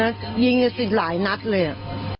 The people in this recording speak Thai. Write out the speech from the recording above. ยิงอย่างสิบหลายนักเลยอ่ะ